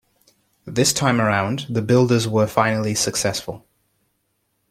This time around, the builders were finally successful.